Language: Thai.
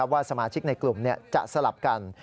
ว่าสมาชิกในกลุ่มจะสลับกัน